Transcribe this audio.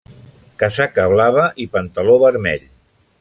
Casaca blava i pantaló vermell.